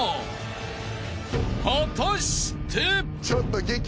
［果たして？］